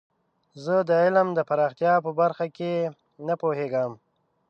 زه د علم د پراختیا په برخه کې نه پوهیږم.